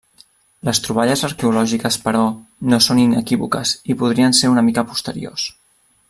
Les troballes arqueològiques, però, no són inequívoques i podrien ser una mica posteriors.